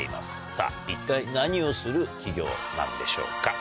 さぁ一体何をする企業なんでしょうか？